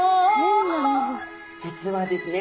実はですね